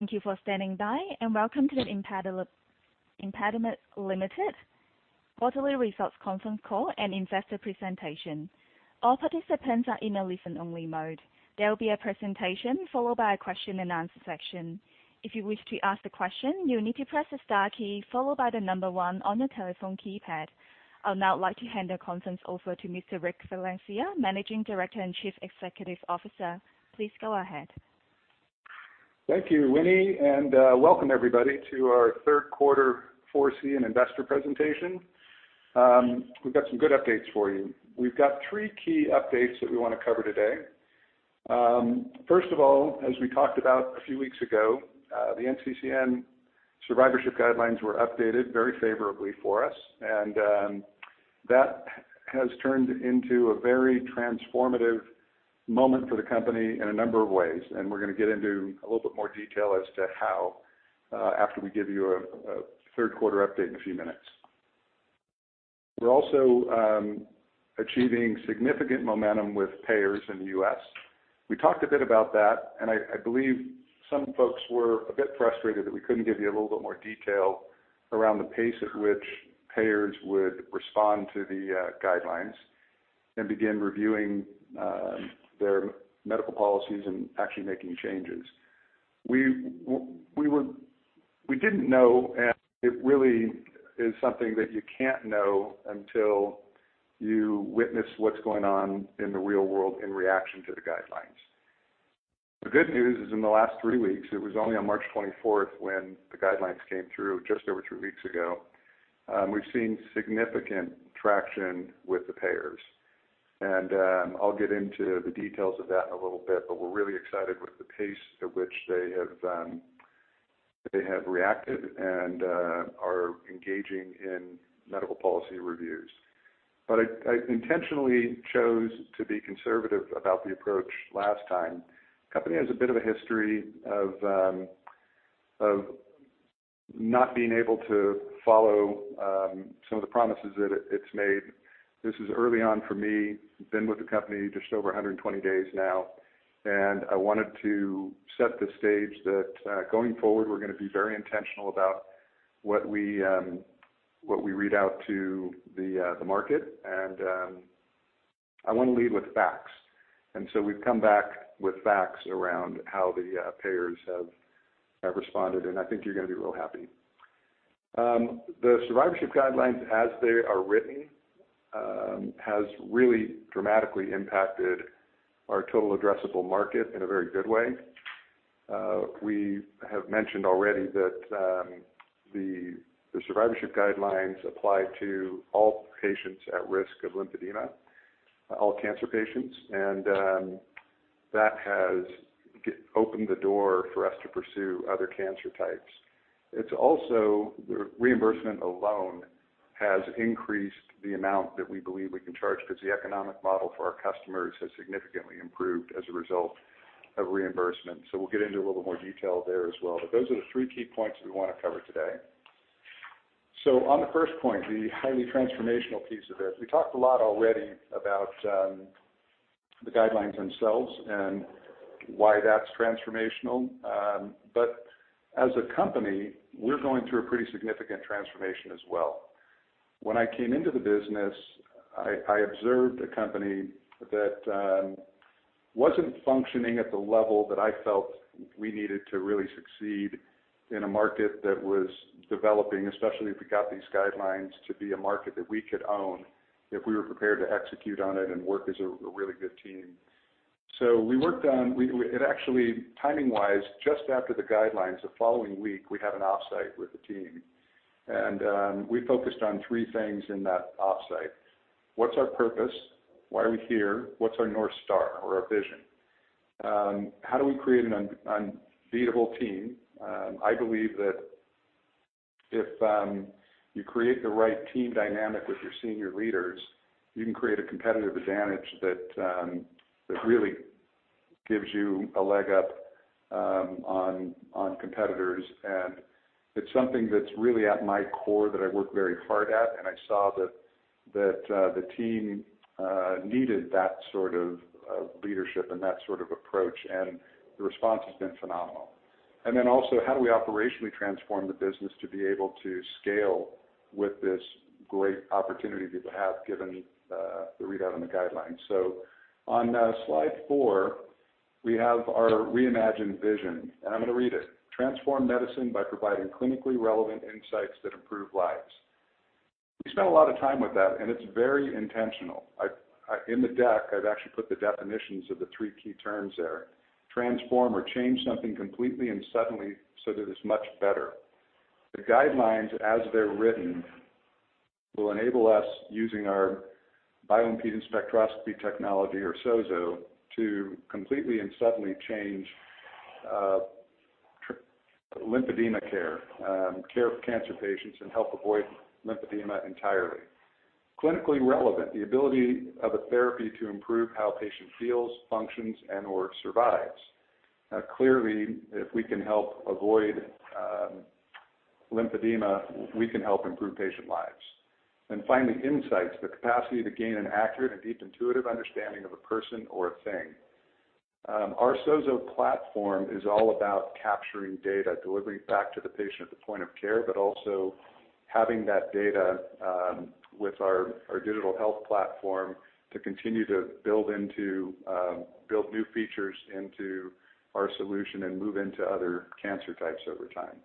Thank you for standing by. Welcome to the ImpediMed Limited Quarterly Results Conference Call and Investor Presentation. All participants are in a listen-only mode. There will be a presentation followed by a question-and-answer session. If you wish to ask a question, you'll need to press the star key followed by one on your telephone keypad. I'll now like to hand the conference over to Mr. Richard Valencia, Managing Director and Chief Executive Officer. Please go ahead. Thank you, Winnie, and welcome everybody to our third quarter 4C and investor presentation. We've got some good updates for you. We've got three key updates that we wanna cover today. First of all, as we talked about a few weeks ago, the NCCN survivorship guidelines were updated very favorably for us. That has turned into a very transformative moment for the company in a number of ways, and we're gonna get into a little bit more detail as to how after we give you a third quarter update in a few minutes. We're also achieving significant momentum with payers in the U.S. We talked a bit about that. I believe some folks were a bit frustrated that we couldn't give you a little bit more detail around the pace at which payers would respond to the guidelines and begin reviewing their medical policies and actually making changes. We didn't know. It really is something that you can't know until you witness what's going on in the real world in reaction to the guidelines. The good news is in the last three weeks, it was only on March twenty-fourth when the guidelines came through just over three weeks ago, we've seen significant traction with the payers. I'll get into the details of that in a little bit, but we're really excited with the pace at which they have reacted and are engaging in medical policy reviews. I intentionally chose to be conservative about the approach last time. Company has a bit of a history of not being able to follow some of the promises that it's made. This is early on for me, been with the company just over 120 days now, and I wanted to set the stage that going forward, we're gonna be very intentional about what we read out to the market, and I wanna lead with facts. We've come back with facts around how the payers have responded, and I think you're gonna be real happy. The survivorship guidelines as they are written has really dramatically impacted our total addressable market in a very good way. We have mentioned already that the survivorship guidelines apply to all patients at risk of lymphedema, all cancer patients, that has opened the door for us to pursue other cancer types. The reimbursement alone has increased the amount that we believe we can charge 'cause the economic model for our customers has significantly improved as a result of reimbursement. We'll get into a little more detail there as well. Those are the three key points we wanna cover today. On the first point, the highly transformational piece of this. We talked a lot already about the guidelines themselves and why that's transformational. As a company, we're going through a pretty significant transformation as well. When I came into the business, I observed a company that wasn't functioning at the level that I felt we needed to really succeed in a market that was developing, especially if we got these guidelines to be a market that we could own if we were prepared to execute on it and work as a really good team. We worked on it actually, timing-wise, just after the guidelines, the following week, we had an off-site with the team. We focused on three things in that off-site. What's our purpose? Why are we here? What's our North Star or our vision? How do we create an unbeatable team? I believe that if you create the right team dynamic with your senior leaders, you can create a competitive advantage that really gives you a leg up on competitors. It's something that's really at my core that I work very hard at, and I saw that the team needed that sort of leadership and that sort of approach, and the response has been phenomenal. Also, how do we operationally transform the business to be able to scale with this great opportunity that we have given the readout and the guidelines? On slide four, we have our reimagined vision, and I'm gonna read it. "Transform medicine by providing clinically relevant insights that improve lives." We spent a lot of time with that, and it's very intentional. In the deck, I've actually put the definitions of the three key terms there. Transform or change something completely and suddenly so that it's much better. The guidelines, as they're written, will enable us using our bioimpedance spectroscopy technology or SOZO to completely and suddenly change lymphedema care for cancer patients and help avoid lymphedema entirely. Clinically relevant, the ability of a therapy to improve how a patient feels, functions, and/or survives. Clearly, if we can help avoid lymphedema, we can help improve patient lives. Finally, insights, the capacity to gain an accurate and deep intuitive understanding of a person or a thing. Our SOZO platform is all about capturing data, delivering it back to the patient at the point of care, but also having that data with our digital health platform to continue to build into build new features into our solution and move into other cancer types over time.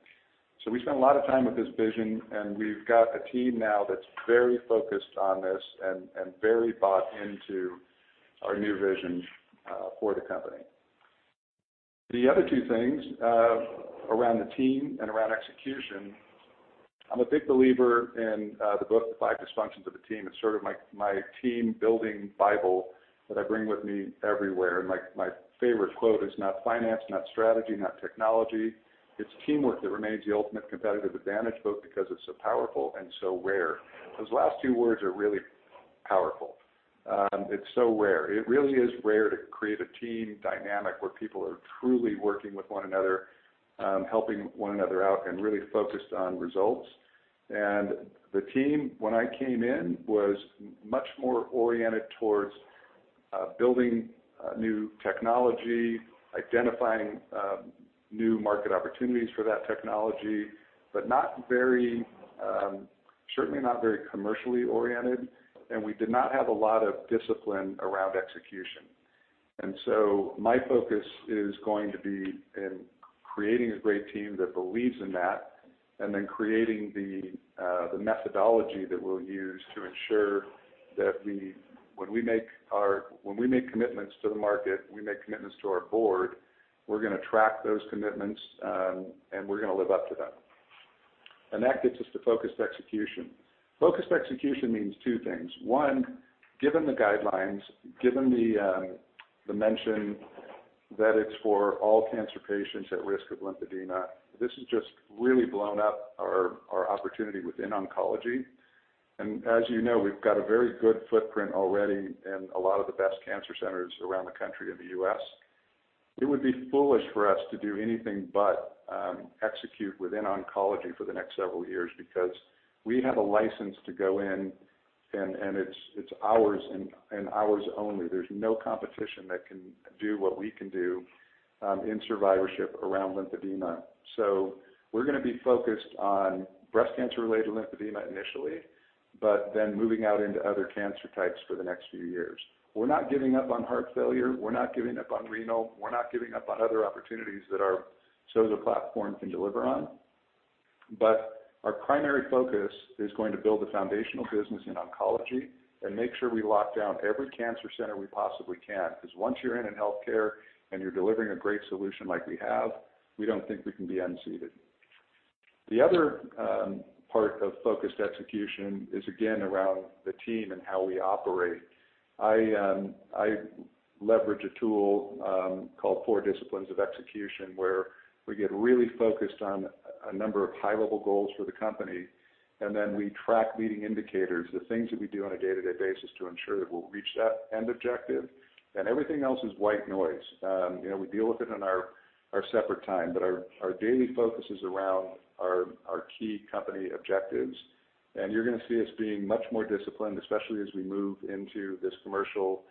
We spent a lot of time with this vision, and we've got a team now that's very focused on this and very bought into our new vision for the company. The other two things around the team and around execution. I'm a big believer in the book, The Five Dysfunctions of a Team. It's sort of my team-building Bible that I bring with me everywhere. My favorite quote is, "Not finance, not strategy, not technology. It's teamwork that remains the ultimate competitive advantage, both because it's so powerful and so rare." Those last two words are really powerful. It's so rare. It really is rare to create a team dynamic where people are truly working with one another, helping one another out and really focused on results. The team, when I came in, was much more oriented towards building new technology, identifying new market opportunities for that technology, but not very, certainly not very commercially oriented, and we did not have a lot of discipline around execution. My focus is going to be in creating a great team that believes in that and then creating the methodology that we'll use to ensure that when we make commitments to the market, we make commitments to our board, we're gonna track those commitments and we're gonna live up to them. That gets us to focused execution. Focused execution means two things. One, given the guidelines, given the mention that it's for all cancer patients at risk of lymphedema, this has just really blown up our opportunity within oncology. As you know, we've got a very good footprint already in a lot of the best cancer centers around the country in the U.S. It would be foolish for us to do anything but execute within oncology for the next several years because we have a license to go in and it's ours and ours only. There's no competition that can do what we can do in survivorship around lymphedema. We're gonna be focused on breast cancer-related lymphedema initially, but then moving out into other cancer types for the next few years. We're not giving up on heart failure, we're not giving up on renal, we're not giving up on other opportunities that our SOZO platform can deliver on. Our primary focus is going to build the foundational business in oncology and make sure we lock down every cancer center we possibly can, 'cause once you're in in healthcare and you're delivering a great solution like we have, we don't think we can be unseated. The other part of focused execution is again around the team and how we operate. I leverage a tool called four Disciplines of Execution, where we get really focused on a number of high-level goals for the company, and then we track leading indicators, the things that we do on a day-to-day basis to ensure that we'll reach that end objective. Everything else is white noise. You know, we deal with it in our separate time, but our daily focus is around our key company objectives. You're gonna see us being much more disciplined, especially as we move into this commercial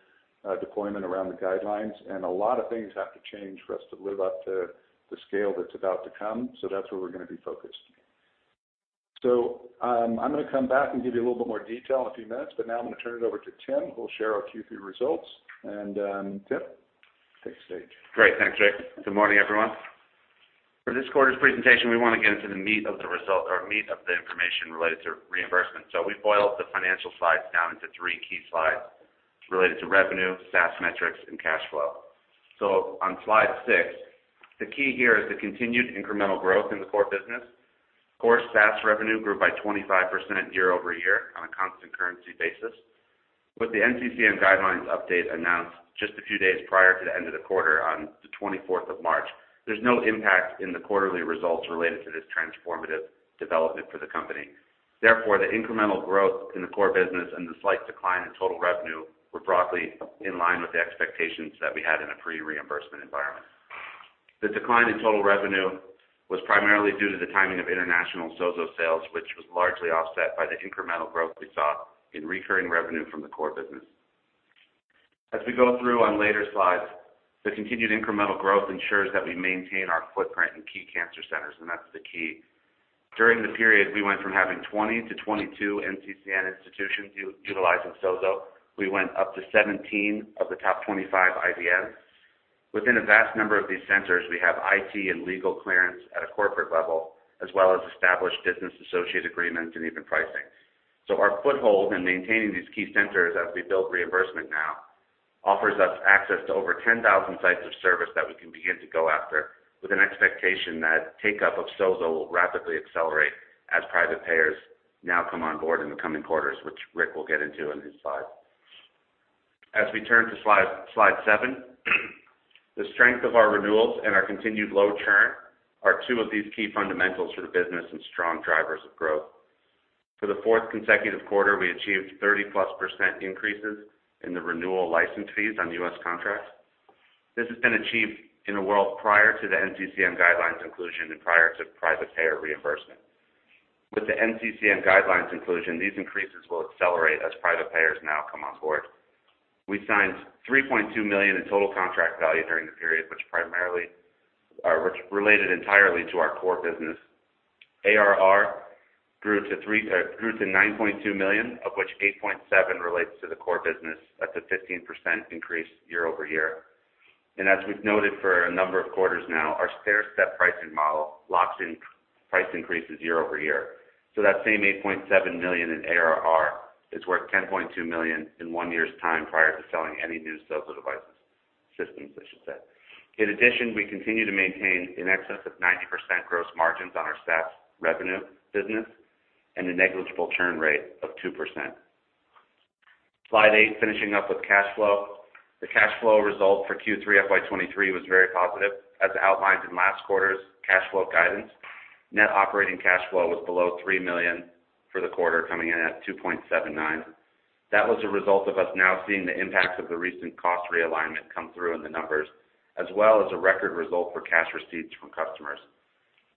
deployment around the guidelines. A lot of things have to change for us to live up to the scale that's about to come, so that's where we're gonna be focused. I'm gonna come back and give you a little bit more detail in a few minutes, but now I'm gonna turn it over to Tim, who will share our Q3 results. Tim, take the stage. Great. Thanks, Rick. Good morning, everyone. For this quarter's presentation, we want to get into the meat of the result or meat of the information related to reimbursement. We boiled the financial slides down into three key slides. It's related to revenue, SaaS metrics, and cash flow. On slide six, the key here is the continued incremental growth in the core business. Core SaaS revenue grew by 25% year-over-year on a constant currency basis. With the NCCN guidelines update announced just a few days prior to the end of the quarter on the 24th of March, there's no impact in the quarterly results related to this transformative development for the company. Therefore, the incremental growth in the core business and the slight decline in total revenue were broadly in line with the expectations that we had in a pre-reimbursement environment. The decline in total revenue was primarily due to the timing of international SOZO sales, which was largely offset by the incremental growth we saw in recurring revenue from the core business. As we go through on later slides, the continued incremental growth ensures that we maintain our footprint in key cancer centers, and that's the key. During the period, we went from having 20-22 NCCN institutions utilizing SOZO. We went up to 17 of the top 25 IDNs. Within a vast number of these centers, we have IT and legal clearance at a corporate level, as well as established Business Associate Agreements and even pricing. Our foothold in maintaining these key centers as we build reimbursement now offers us access to over 10,000 sites of service that we can begin to go after with an expectation that take-up of SOZO will rapidly accelerate as private payers now come on board in the coming quarters, which Rick will get into in his slide. We turn to slide seven, the strength of our renewals and our continued low churn are two of these key fundamentals for the business and strong drivers of growth. For the fourth consecutive quarter, we achieved 30%+ increases in the renewal license fees on U.S. contracts. This has been achieved in a world prior to the NCCN guidelines inclusion and prior to private payer reimbursement. With the NCCN guidelines inclusion, these increases will accelerate as private payers now come on board. We signed 3.2 million in total contract value during the period, which related entirely to our core business. ARR grew to 9.2 million, of which 8.7 million relates to the core business. That's a 15% increase year-over-year. As we've noted for a number of quarters now, our stair-step pricing model locks in price increases year-over-year. That same 8.7 million in ARR is worth 10.2 million in one year's time prior to selling any new SOZO devices, systems, I should say. In addition, we continue to maintain in excess of 90% gross margins on our Saas revenue business and a negligible churn rate of 2%. Slide eight, finishing up with cash flow. The cash flow result for Q3 FY 2023 was very positive. As outlined in last quarter's cash flow guidance, net operating cash flow was below 3 million for the quarter, coming in at 2.79 million. That was a result of us now seeing the impact of the recent cost realignment come through in the numbers, as well as a record result for cash receipts from customers.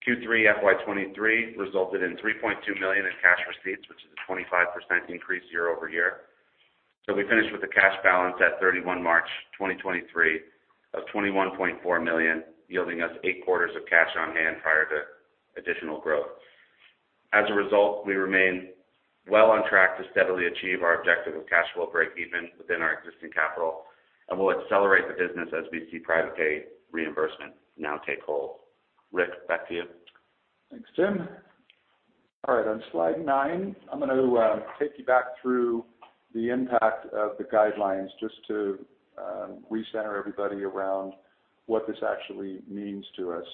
Q3 FY 2023 resulted in 3.2 million in cash receipts, which is a 25% increase year-over-year. We finished with a cash balance at March 31st, 2023, of 21.4 million, yielding us eight quarters of cash on hand prior to additional growth. As a result, we remain well on track to steadily achieve our objective of cash flow breakeven within our existing capital, and we'll accelerate the business as we see private pay reimbursement now take hold. Rick, back to you. Thanks, Tim. All right, on slide nine, I'm gonna take you back through the impact of the guidelines just to recenter everybody around what this actually means to us.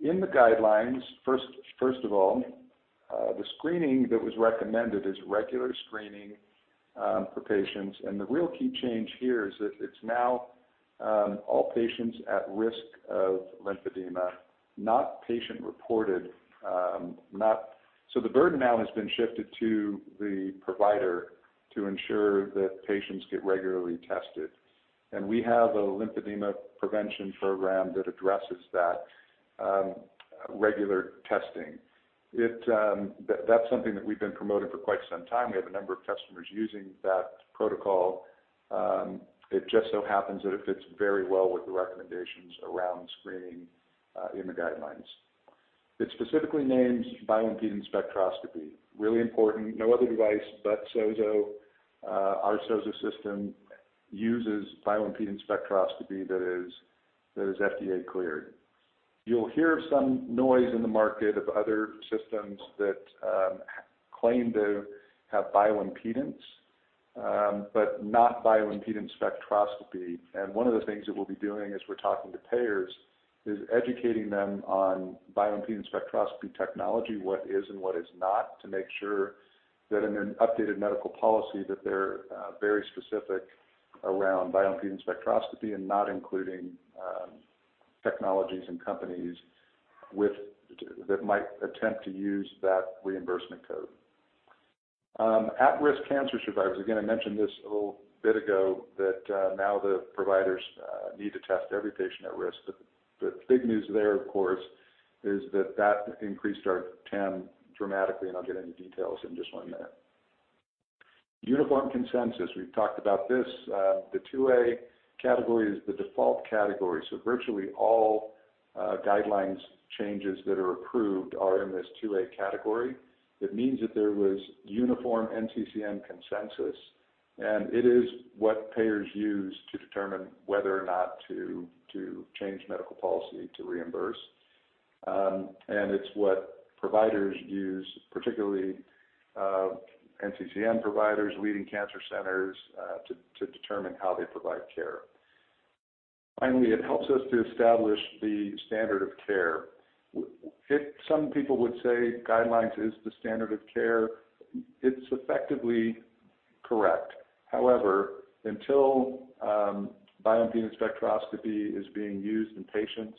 In the guidelines, first of all, the screening that was recommended is regular screening for patients, and the real key change here is that it's now all patients at risk of lymphedema, not patient-reported, not. The burden now has been shifted to the provider to ensure that patients get regularly tested. We have a Lymphedema Prevention Program that addresses that regular testing. It, that's something that we've been promoting for quite some time. We have a number of customers using that protocol. It just so happens that it fits very well with the recommendations around screening in the guidelines. It specifically names bioimpedance spectroscopy. Really important, no other device but SOZO, our SOZO system uses bioimpedance spectroscopy that is FDA cleared. You'll hear some noise in the market of other systems that claim to have bioimpedance, but not bioimpedance spectroscopy. One of the things that we'll be doing as we're talking to payers is educating them on bioimpedance spectroscopy technology, what is and what is not, to make sure that in an updated medical policy, that they're very specific around bioimpedance spectroscopy and not including technologies and companies that might attempt to use that reimbursement code. At-risk cancer survivors, again, I mentioned this a little bit ago, that now the providers need to test every patient at risk. The big news there, of course, is that that increased our TAM dramatically, and I'll get into details in just one minute. Uniform consensus, we've talked about this. The Category 2A is the default category, so virtually all guidelines changes that are approved are in this Category 2A. It means that there was uniform NCCN consensus. It is what payers use to determine whether or not to change medical policy to reimburse. It's what providers use, particularly NCCN providers, leading cancer centers, to determine how they provide care. Finally, it helps us to establish the standard of care. Some people would say guidelines is the standard of care. It's effectively correct. However, until bioimpedance spectroscopy is being used and patients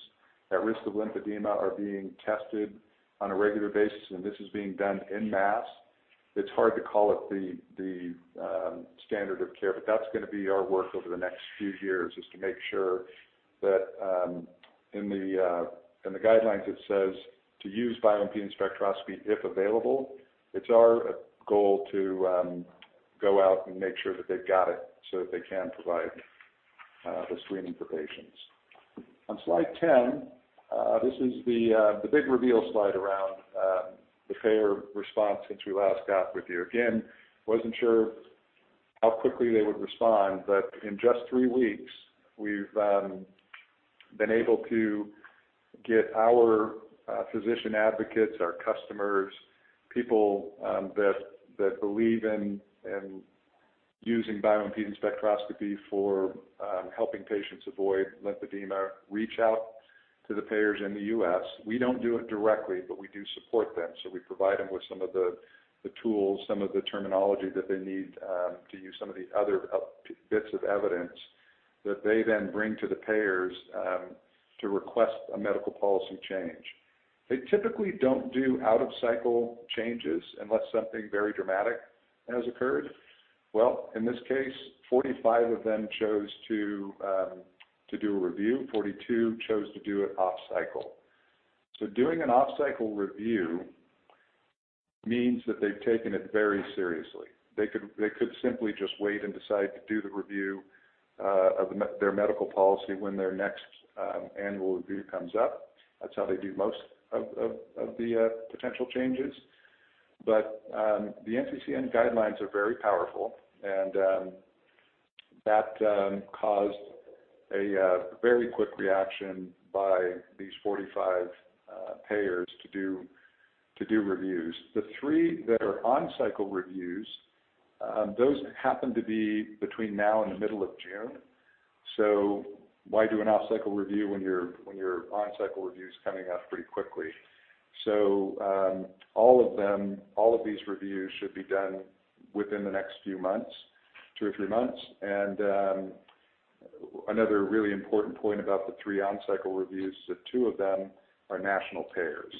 at risk of lymphedema are being tested on a regular basis, and this is being done en masse, it's hard to call it the standard of care. That's gonna be our work over the next few years, is to make sure that in the in the guidelines it says to use bioimpedance spectroscopy if available. It's our goal to go out and make sure that they've got it so that they can provide the screening for patients. On slide 10, this is the the big reveal slide around the payer response since we last got with you. Again, wasn't sure how quickly they would respond, but in just three weeks, we've been able to get our physician advocates, our customers, people that believe in using bioimpedance spectroscopy for helping patients avoid lymphedema reach out to the payers in the U.S. We don't do it directly, we do support them, we provide them with some of the tools, some of the terminology that they need to use some of the other bits of evidence that they then bring to the payers to request a medical policy change. They typically don't do out-of-cycle changes unless something very dramatic has occurred. In this case, 45 of them chose to do a review. 42 chose to do it off cycle. Doing an off-cycle review means that they've taken it very seriously. They could simply just wait and decide to do the review of their medical policy when their next annual review comes up. That's how they do most of the potential changes. The NCCN guidelines are very powerful, and that caused a very quick reaction by these 45 payers to do reviews. The three that are on-cycle reviews, those happen to be between now and the middle of June. Why do an off-cycle review when your on-cycle review's coming up pretty quickly? All of these reviews should be done within the next few months, two or three months. Another really important point about the three on-cycle reviews is that two of them are national payers.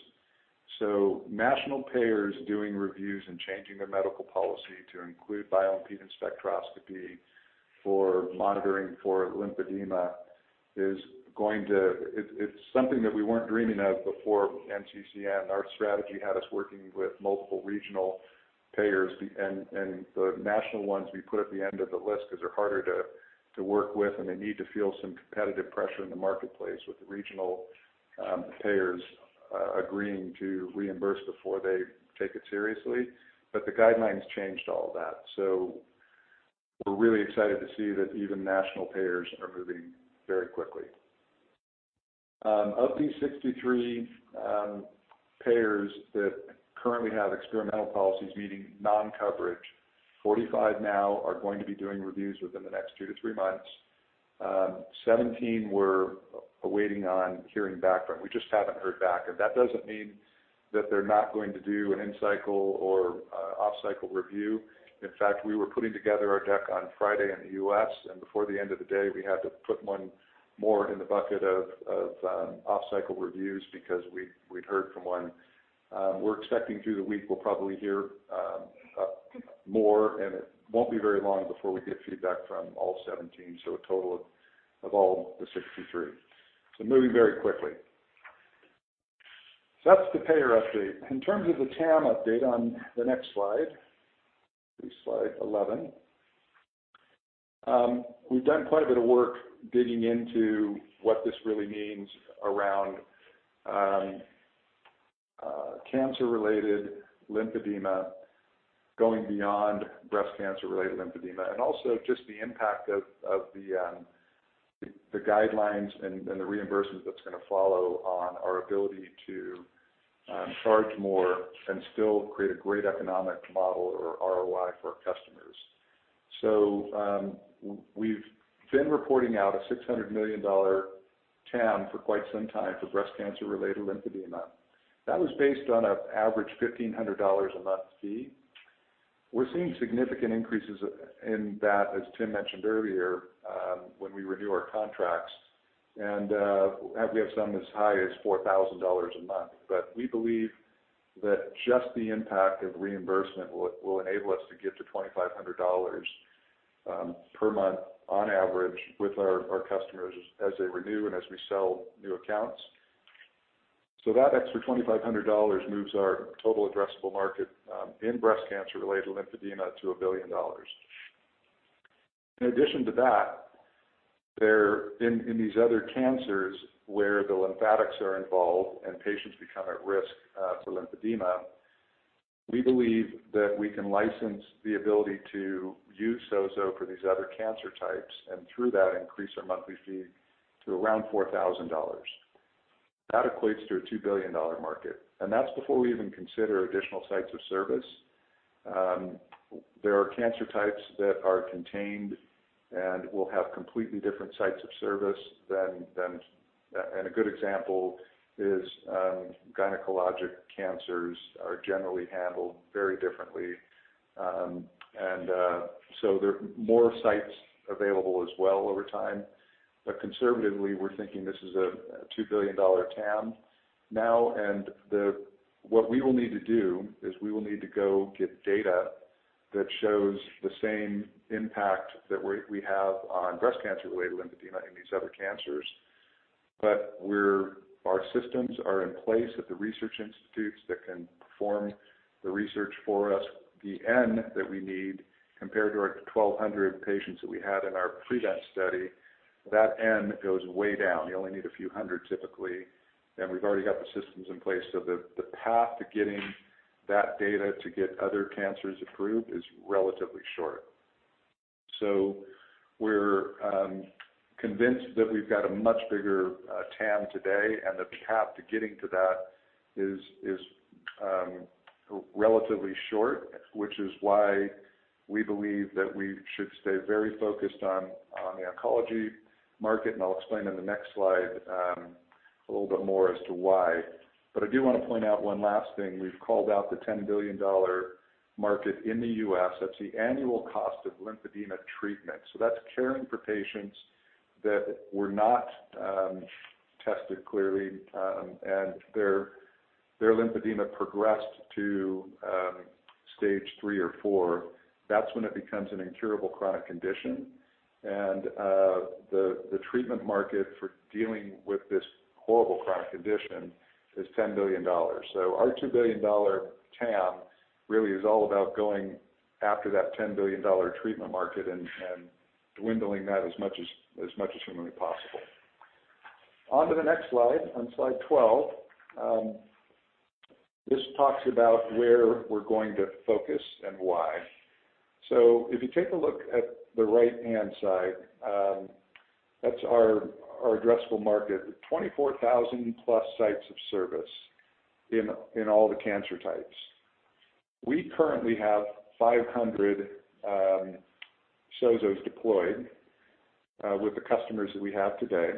National payers doing reviews and changing their medical policy to include bioimpedance spectroscopy for monitoring for lymphedema is going to. It's something that we weren't dreaming of before NCCN. Our strategy had us working with multiple regional payers and the national ones we put at the end of the list because they're harder to work with, and they need to feel some competitive pressure in the marketplace with the regional payers agreeing to reimburse before they take it seriously. The guidelines changed all that. We're really excited to see that even national payers are moving very quickly. Of these 63 payers that currently have experimental policies, meaning non-coverage, 45 now are going to be doing reviews within the next 2-3 months. 17 we're awaiting on hearing back from. We just haven't heard back, and that doesn't mean that they're not going to do an in-cycle or off-cycle review. In fact, we were putting together our deck on Friday in the U.S. Before the end of the day, we had to put one more in the bucket of off-cycle reviews because we'd heard from one. We're expecting through the week we'll probably hear more, and it won't be very long before we get feedback from all 17, so a total of all the 63. Moving very quickly. That's the payer update. In terms of the TAM update on the next slide, it'll be slide 11, we've done quite a bit of work digging into what this really means around cancer-related lymphedema going beyond breast cancer-related lymphedema, and also just the impact of the guidelines and the reimbursements that's gonna follow on our ability to charge more and still create a great economic model or ROI for our customers. We've been reporting out a $600 million TAM for quite some time for breast cancer-related lymphedema. That was based on an average $1,500 a month fee. We're seeing significant increases in that, as Tim mentioned earlier, when we renew our contracts, and we have some as high as $4,000 a month. We believe that just the impact of reimbursement will enable us to get to $2,500 per month on average with our customers as they renew and as we sell new accounts. That extra $2,500 moves our total addressable market in breast cancer-related lymphedema to $1 billion. In addition to that, there... In these other cancers where the lymphatics are involved and patients become at risk for lymphedema, we believe that we can license the ability to use SOZO for these other cancer types and through that increase our monthly fee to around $4,000. That equates to a $2 billion market, and that's before we even consider additional sites of service. There are cancer types that are contained and will have completely different sites of service than. A good example is gynecologic cancers are generally handled very differently. There are more sites available as well over time. Conservatively, we're thinking this is a $2 billion TAM now. What we will need to do is we will need to go get data that shows the same impact that we have on breast cancer-related lymphedema in these other cancers. Our systems are in place at the research institutes that can perform the research for us. The N that we need compared to our 1,200 patients that we had in our PREVENT study, that N goes way down. You only need a few hundred typically, and we've already got the systems in place. The path to getting that data to get other cancers approved is relatively short. We're convinced that we've got a much bigger TAM today, and the path to getting to that is relatively short, which is why we believe that we should stay very focused on the oncology market. I'll explain in the next slide, A little bit more as to why. I do wanna point out one last thing. We've called out the $10 billion market in the U.S. That's the annual cost of lymphedema treatment. That's caring for patients that were not tested clearly, and their lymphedema progressed to stage 3 or 4. That's when it becomes an incurable chronic condition. The treatment market for dealing with this horrible chronic condition is $10 billion. Our $2 billion TAM really is all about going after that $10 billion treatment market and dwindling that as much as humanly possible. On to the next slide, on slide 12. This talks about where we're going to focus and why. If you take a look at the right-hand side, that's our addressable market. 24,000 plus sites of service in all the cancer types. We currently have 500 SOZOs deployed with the customers that we have today.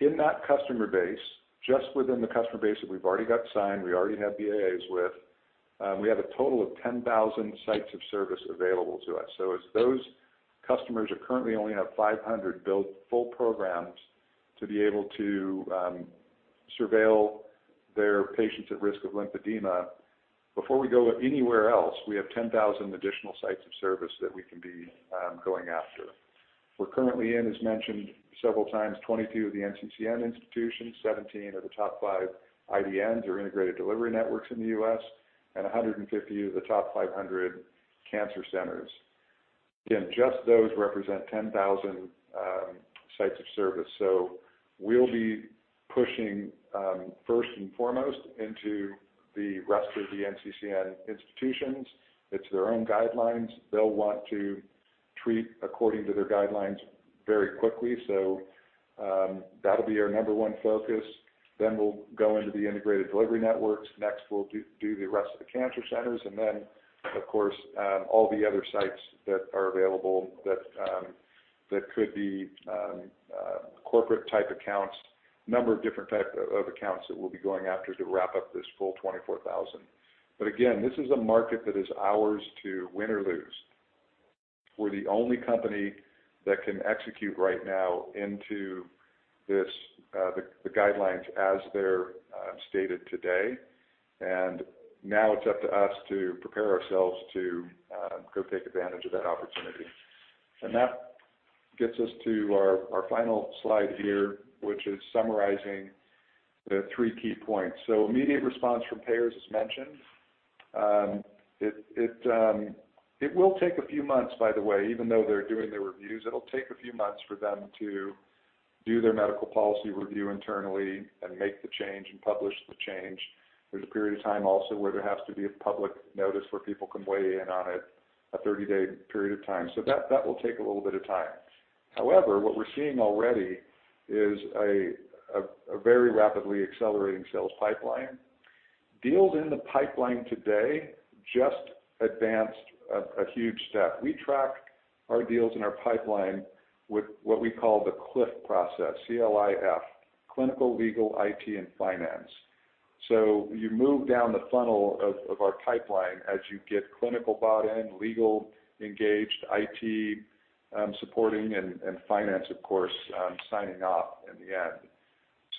In that customer base, just within the customer base that we've already got signed, we already have BAAs with, we have a total of 10,000 sites of service available to us. As those customers who currently only have 500 built full programs to be able to surveil their patients at risk of lymphedema, before we go anywhere else, we have 10,000 additional sites of service that we can be going after. We're currently in, as mentioned several times, 22 of the NCCN institutions, 17 of the top five IDNs or integrated delivery networks in the U.S., and 150 of the top 500 cancer centers. Just those represent 10,000 sites of service. We'll be pushing, first and foremost, into the rest of the NCCN institutions. It's their own guidelines. They'll want to treat according to their guidelines very quickly. That'll be our number one focus. We'll go into the integrated delivery networks. Next, we'll do the rest of the cancer centers. Of course, all the other sites that are available that could be corporate type accounts. Number of different type of accounts that we'll be going after to wrap up this full 24,000. Again, this is a market that is ours to win or lose. We're the only company that can execute right now into the guidelines as they're stated today. Now it's up to us to prepare ourselves to go take advantage of that opportunity. That gets us to our final slide here, which is summarizing the three key points. Immediate response from payers, as mentioned. It will take a few months, by the way, even though they're doing the reviews, it'll take a few months for them to do their medical policy review internally and make the change and publish the change. There's a period of time also where there has to be a public notice where people can weigh in on it, a 30-day period of time. That, that will take a little bit of time. However, what we're seeing already is a very rapidly accelerating sales pipeline. Deals in the pipeline today just advanced a huge step. We track our deals in our pipeline with what we call the CLIF process, C-L-I-F, clinical, legal, IT, and finance. You move down the funnel of our pipeline as you get clinical bought in, legal engaged, IT, supporting, and finance, of course, signing off in the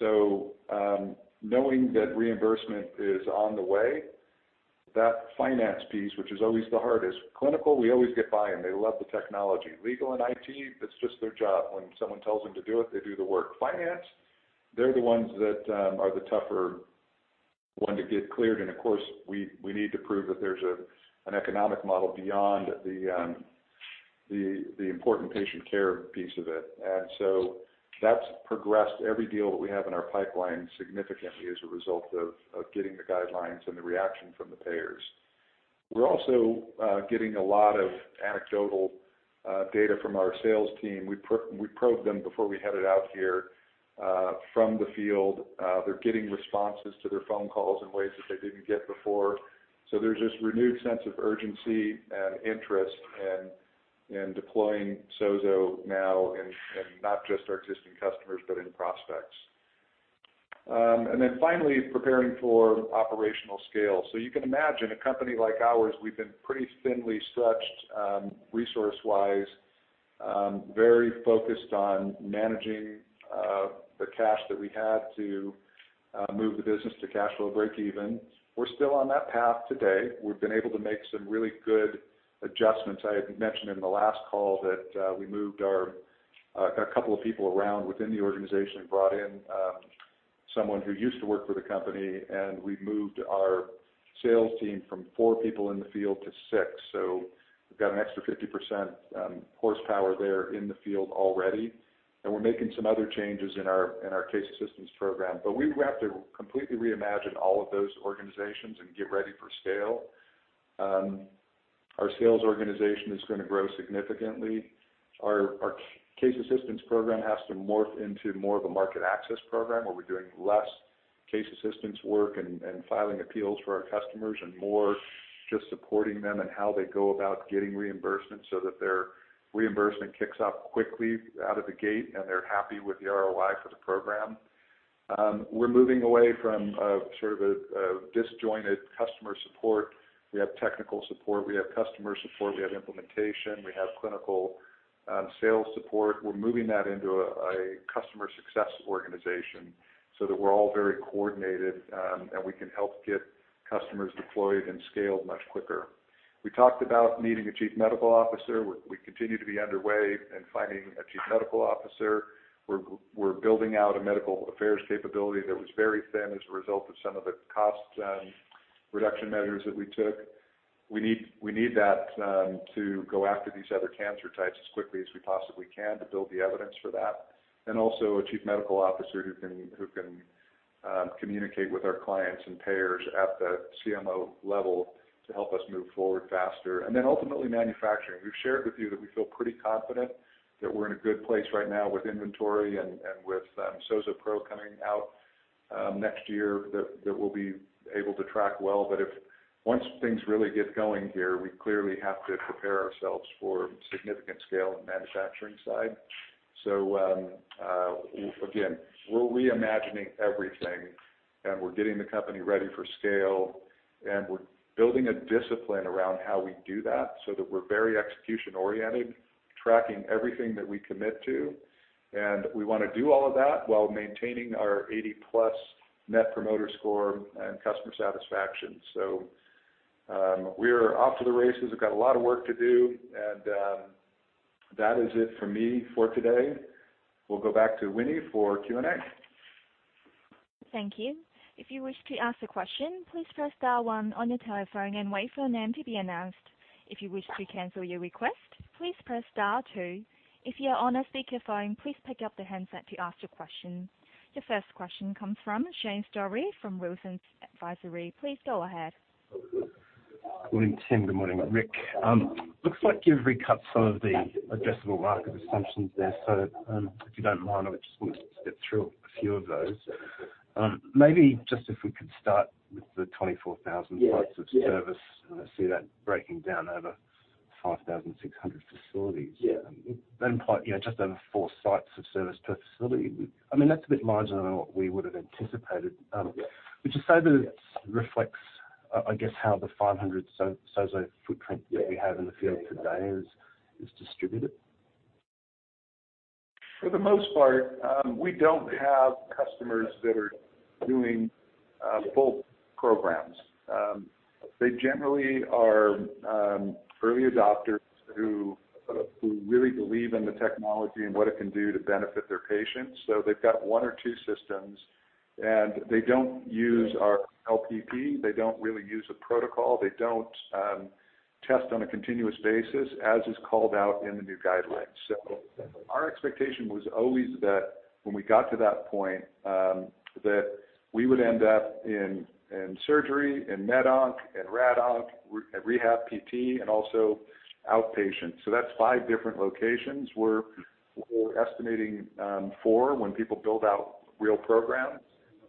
end. Knowing that reimbursement is on the way, that finance piece, which is always the hardest. Clinical, we always get by, and they love the technology. Legal and IT, it's just their job. When someone tells them to do it, they do the work. Finance, they're the ones that are the tougher one to get cleared. Of course, we need to prove that there's an economic model beyond the important patient care piece of it. That's progressed every deal that we have in our pipeline significantly as a result of getting the guidelines and the reaction from the payers. We're also getting a lot of anecdotal data from our sales team. We probed them before we headed out here from the field. They're getting responses to their phone calls in ways that they didn't get before. There's this renewed sense of urgency and interest in deploying SOZO now, in not just our existing customers, but in prospects. Finally, preparing for operational scale. You can imagine a company like ours, we've been pretty thinly stretched resource-wise. Very focused on managing the cash that we had to move the business to cash flow breakeven. We're still on that path today. We've been able to make some really good adjustments. I had mentioned in the last call that we moved our couple of people around within the organization and brought in someone who used to work for the company, and we've moved our sales team from four people in the field to six. We've got an extra 50% horsepower there in the field already. We're making some other changes in our case assistance program. We have to completely reimagine all of those organizations and get ready for scale. Our sales organization is gonna grow significantly. Our case assistance program has to morph into more of a market access program, where we're doing less case assistants work and filing appeals for our customers and more just supporting them and how they go about getting reimbursements so that their reimbursement kicks off quickly out of the gate, and they're happy with the ROI for the program. We're moving away from a sort of a disjointed customer support. We have technical support, we have customer support, we have implementation, we have clinical sales support. We're moving that into a customer success organization so that we're all very coordinated and we can help get customers deployed and scaled much quicker. We talked about needing a chief medical officer. We continue to be underway in finding a chief medical officer. We're building out a medical affairs capability that was very thin as a result of some of the cost reduction measures that we took. We need that to go after these other cancer types as quickly as we possibly can to build the evidence for that. Also, a chief medical officer who can communicate with our clients and payers at the CMO level to help us move forward faster. Ultimately, manufacturing. We've shared with you that we feel pretty confident that we're in a good place right now with inventory and with SOZO Pro coming out next year that will be able to track well. If once things really get going here, we clearly have to prepare ourselves for significant scale in the manufacturing side. Again, we're reimagining everything, and we're getting the company ready for scale, and we're building a discipline around how we do that so that we're very execution-oriented, tracking everything that we commit to. We wanna do all of that while maintaining our 80+ Net Promoter Score and customer satisfaction. We are off to the races. We've got a lot of work to do and that is it for me for today. We'll go back to Winnie for Q&A. Thank you. If you wish to ask a question, please press star one on your telephone and wait for your name to be announced. If you wish to cancel your request, please press star two. If you're on a speakerphone, please pick up the handset to ask your question. Your first question comes from Shane Storey from Canaccord Genuity. Please go ahead. Good morning, Tim. Good morning, Rick. Looks like you've recut some of the addressable market assumptions there. If you don't mind, I just want to step through a few of those. Maybe just if we could start with the 24,000- Yeah. sites of service. I see that breaking down over 5,600 facilities. Yeah. Quite, you know, just over four sites of service per facility. I mean, that's a bit marginal than what we would have anticipated. Yeah. Would you say that reflects, I guess, how the 500 SOZO footprint that we have in the field today is distributed? For the most part, we don't have customers that are doing full programs. They generally are early adopters who really believe in the technology and what it can do to benefit their patients. They've got one or two systems, and they don't use our LPP. They don't really use a protocol. They don't test on a continuous basis as is called out in the new guidelines. Our expectation was always that when we got to that point, that we would end up in surgery, in med onc, in rad onc, rehab PT, and also outpatient. That's five different locations. We're estimating four when people build out real programs.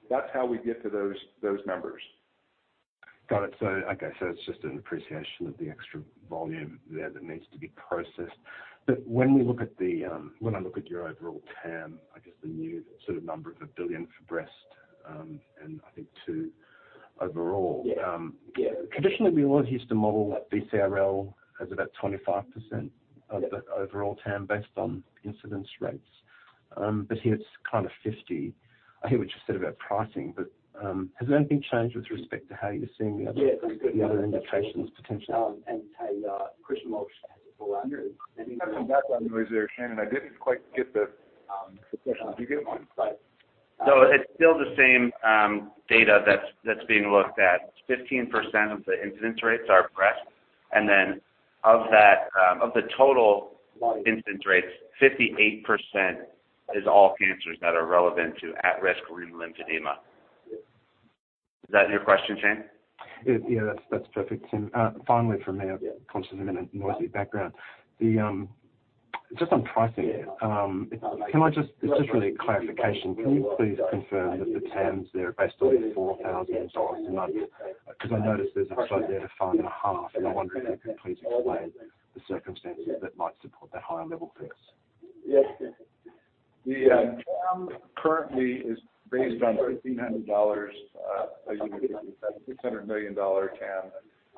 That's how we get to those numbers. Got it. Like I said, it's just an appreciation of the extra volume there that needs to be processed. When we look at the, when I look at your overall TAM, I guess the new sort of number of $1 billion for breast, and I think $2 billion overall. Yeah. Yeah. Traditionally, we all used to model that BCRL has about 25%. Yeah. Of the overall TAM based on incidence rates. Here it's kind of 50. I hear what you said about pricing, has anything changed with respect to how you're seeing the other... Yeah. the other indications potentially? Christian Moore has a follow-on. You had some background noise there, Shane, and I didn't quite get the. Did you get mine? It's still the same data that's being looked at. 15% of the incidence rates are breast. Of that, of the total incidence rates, 58% is all cancers that are relevant to at-risk for lymphedema. Is that your question, Shane? Yeah, that's perfect, Tim. Finally from me. Yeah. Constantly a minute noisy background. The, just on pricing. It's just really a clarification. Can you please confirm that the TAMs there are based on $4,000 a month? 'Cause I noticed there's a slide there of five and a half, and I wonder if you could please explain the circumstances that might support that higher level price. Yeah. The TAM currently is based on $1,300. As you indicated, we've had $600 million TAM.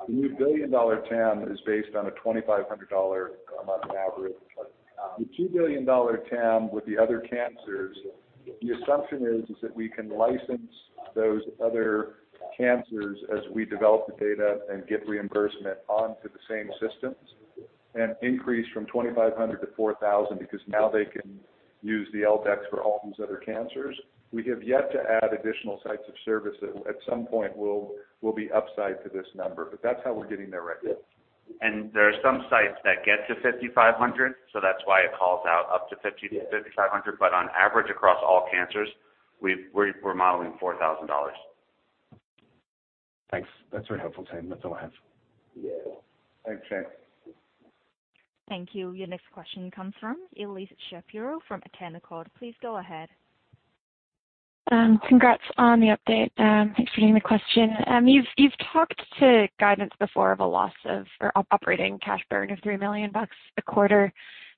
The new $1 billion TAM is based on a $2,500 a month average. The $2 billion TAM with the other cancers, the assumption is that we can license those other cancers as we develop the data and get reimbursement onto the same systems and increase from $2,500 to $4,000 because now they can use the L-Dex for all those other cancers. We have yet to add additional sites of service that at some point will be upside to this number, but that's how we're getting there right now. There are some sites that get to $5,500, so that's why it calls out up to $5,000-$5,500. On average, across all cancers, we're modeling $4,000. Thanks. That's very helpful, Tim. That's all I have. Yeah. Thanks, Tim. Thank you. Your next question comes from Elyse Shapiro from Canaccord Genuity. Please go ahead. Congrats on the update. Thanks for taking the question. You've talked to guidance before of a loss of or operating cash burn of 3 million bucks a quarter.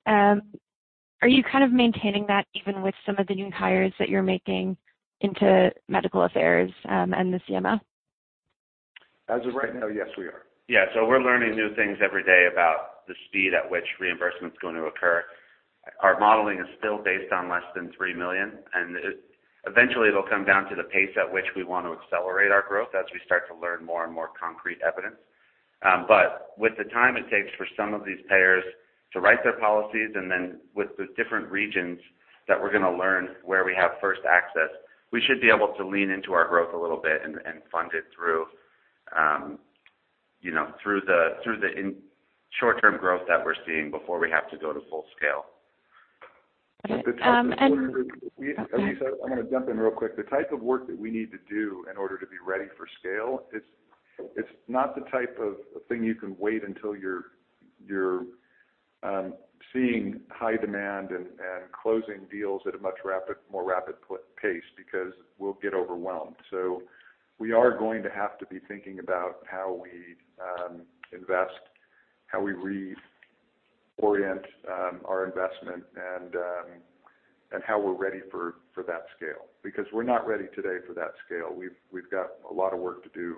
Are you kind of maintaining that even with some of the new hires that you're making into medical affairs and the CML? As of right now, yes, we are. Yeah. We're learning new things every day about the speed at which reimbursement is going to occur. Our modeling is still based on less than 3 million, and eventually, it'll come down to the pace at which we want to accelerate our growth as we start to learn more and more concrete evidence. With the time it takes for some of these payers to write their policies and then with the different regions that we're gonna learn where we have first access, we should be able to lean into our growth a little bit and fund it through, you know, through the, through the short-term growth that we're seeing before we have to go to full scale. Okay. The type of work that we. Elyse, I'm gonna jump in real quick. The type of work that we need to do in order to be ready for scale, it's not the type of thing you can wait until you're seeing high demand and closing deals at a much more rapid pace because we'll get overwhelmed. We are going to have to be thinking about how we invest, how we re-orient our investment and how we're ready for that scale. We're not ready today for that scale. We've got a lot of work to do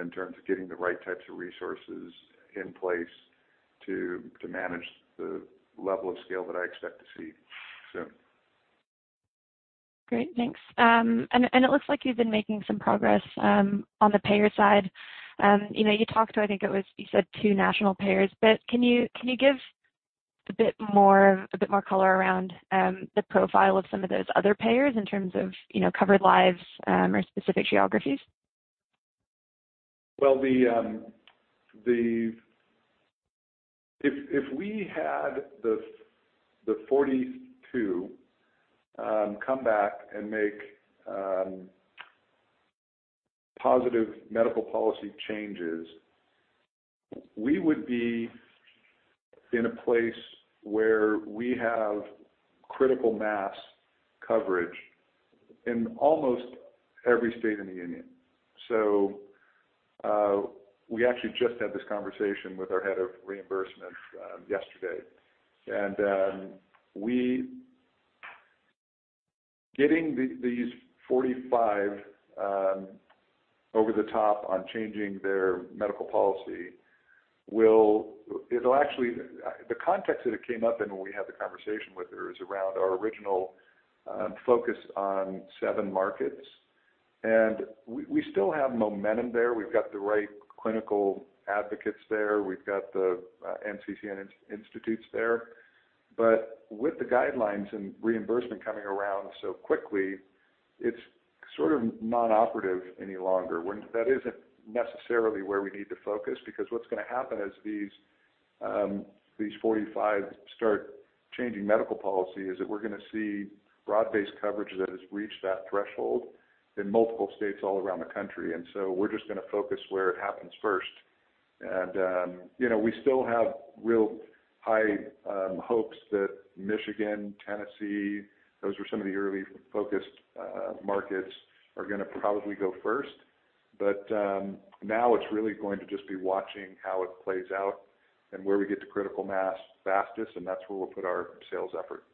in terms of getting the right types of resources in place to manage the level of scale that I expect to see soon. Great. Thanks. It looks like you've been making some progress on the payer side. You know, you talked to, I think it was, you said two national payers. Can you give a bit more color around the profile of some of those other payers in terms of, you know, covered lives, or specific geographies? Well, the If we had the 42 come back and make positive medical policy changes, we would be in a place where we have critical mass coverage in almost every state in the union. We actually just had this conversation with our head of reimbursement yesterday. We Getting these 45 over the top on changing their medical policy it'll actually. The context that it came up in when we had the conversation with her is around our original focus on seven markets. We still have momentum there. We've got the right clinical advocates there. We've got the NCCN institutes there. With the guidelines and reimbursement coming around so quickly, it's sort of non-operative any longer. That isn't necessarily where we need to focus because what's gonna happen as these 45 start changing medical policy is that we're gonna see broad-based coverage that has reached that threshold in multiple states all around the country. We're just gonna focus where it happens first. You know, we still have real high hopes that Michigan, Tennessee, those were some of the early focused markets, are gonna probably go first. Now it's really going to just be watching how it plays out and where we get to critical mass fastest, and that's where we'll put our sales effort.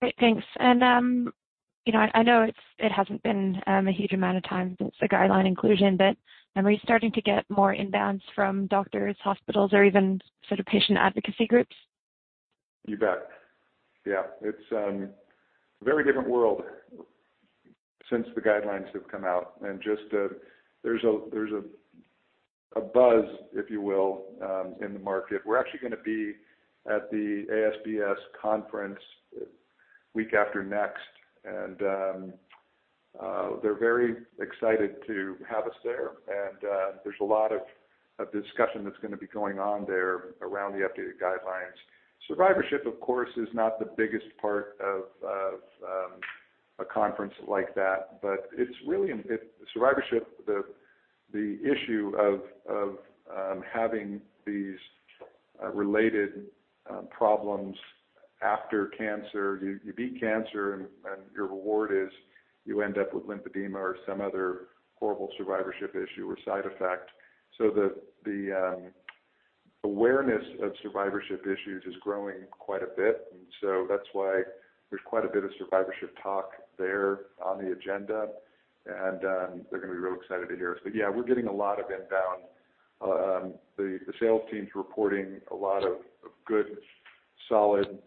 Great, thanks. you know, I know it hasn't been a huge amount of time since the guideline inclusion, but are we starting to get more inbounds from doctors, hospitals, or even sort of patient advocacy groups? You bet. Yeah. It's a very different world since the guidelines have come out. Just there's a buzz, if you will, in the market. We're actually going to be at the ASBS conference week after next, and they're very excited to have us there. There's a lot of discussion that's going to be going on there around the updated guidelines. Survivorship, of course, is not the biggest part of a conference like that, but it's really Survivorship, the issue of having these related problems after cancer. You beat cancer and your reward is you end up with lymphedema or some other horrible survivorship issue or side effect. The awareness of survivorship issues is growing quite a bit. That's why there's quite a bit of survivorship talk there on the agenda. They're gonna be real excited to hear us. Yeah, we're getting a lot of inbound. The sales team's reporting a lot of good, solid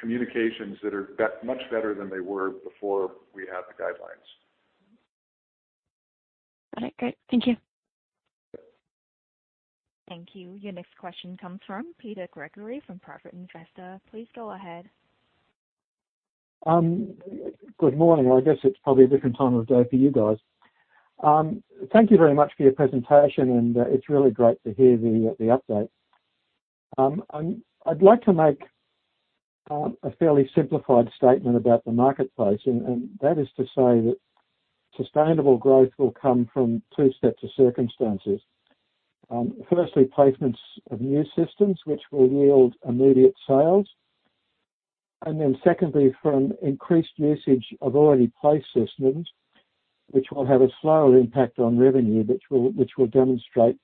communications that are much better than they were before we had the guidelines. All right. Great. Thank you. Okay. Thank you. Your next question comes from Peter Gregory from Private Investor. Please go ahead. Good morning, or I guess it's probably a different time of day for you guys. Thank you very much for your presentation, and it's really great to hear the update. I'd like to make a fairly simplified statement about the marketplace, and that is to say that sustainable growth will come from two sets of circumstances. Firstly, placements of new systems which will yield immediate sales. Secondly, from increased usage of already placed systems, which will have a slower impact on revenue, which will demonstrate